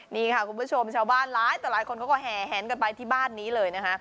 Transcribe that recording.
นี่ค่ะคุณผู้ชมชาวบ้านหลายคนก็แหงกันไปที่บ้านนี้เลยนะคะ